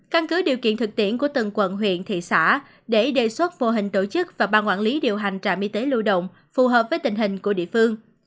căn cứ điều kiện thực tiễn của từng quận huyện thị xã để đề xuất vô hình tổ chức và ban quản lý điều hành trạm y tế lưu động phù hợp với tình hình của địa phương